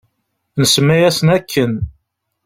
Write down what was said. Nsemma-yasen akken.